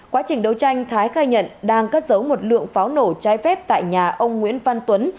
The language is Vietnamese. quá trình đấu tranh thái khai nhận đang cất giấu một lượng pháo nổ trái phép tại nhà ông nguyễn văn tuấn